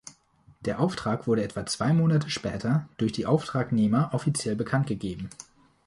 Der Auftrag wurde etwa zwei Monate später durch die Auftragnehmer offiziell bekanntgegeben.